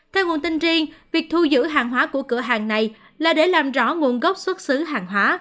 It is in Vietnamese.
theo nguồn tin riêng việc thu giữ hàng hóa của cửa hàng này là để làm rõ nguồn gốc xuất xứ hàng hóa